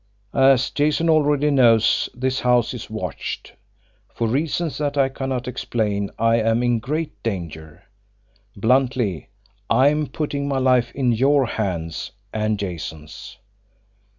As Jason already knows, this house is watched. For reasons that I cannot explain, I am in great danger. Bluntly, I am putting my life in your hands and Jason's."